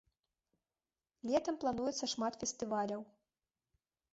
Летам плануецца шмат фестываляў.